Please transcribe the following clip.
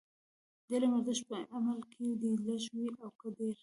د علم ارزښت په عمل کې دی، لږ وي او که ډېر.